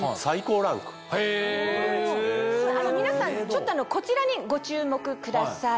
皆さんこちらにご注目ください。